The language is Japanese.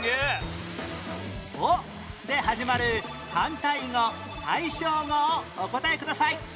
「お」で始まる反対語・対照語をお答えください